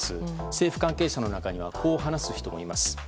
政府関係者の中にはこう話す人もいます。